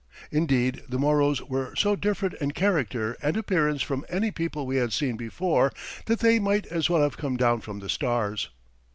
Indeed, the Moros were so different in character and appearance from any people we had seen before that they might as well have come down from the stars.